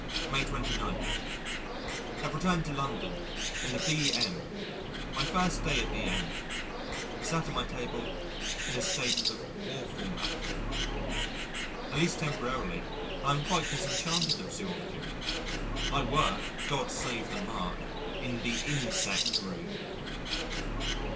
May 29. Have returned to London and the B.M. My first day at the M. Sat at my table in a state of awful apathy. At least temporarily, I am quite disenchanted of Zoology. I work God save the mark in the Insect Room!